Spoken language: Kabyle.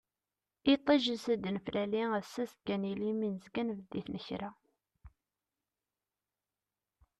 Iṭij ansa i d-neflali, ass-a azekka ad nili, mi nezga nbedd i tnekra.